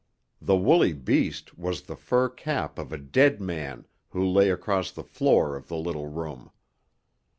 The woolly beast was the fur cap of a dead man who lay across the floor of the little room.